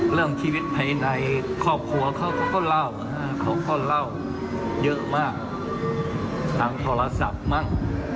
เรื่องชีวิตภายในครอบครัวเขาก็เล่าเขาก็เล่าเยอะมากทางโทรศัพท์มั่ง